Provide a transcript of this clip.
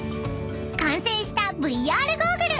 ［完成したＶＲゴーグル］